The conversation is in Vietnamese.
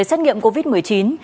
phong trống dịch bmandix